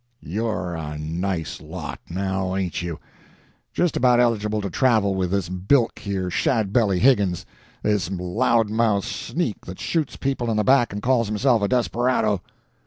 "You're a nice lot now ain't you? Just about eligible to travel with this bilk here Shadbelly Higgins this loud mouthed sneak that shoots people in the back and calls himself a desperado.